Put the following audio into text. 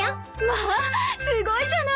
まあすごいじゃない！